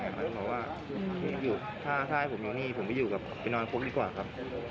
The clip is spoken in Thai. มันบอกว่าถ้าให้ผมอยู่นี่ผมไปอยู่กับไปนอนคุกดีกว่าครับ